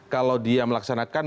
kalau dia melaksanakan